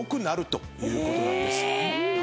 ということなんです。